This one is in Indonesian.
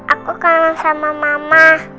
aku kangen sama mama